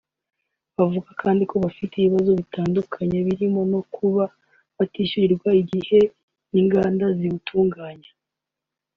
bavuga kandi ko bafite ibibazo bitandandukanye birimo no kuba batishyurirwa igihe n’inganda ziwutunganya